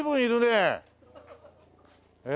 ええ？